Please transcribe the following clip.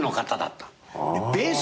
ベース。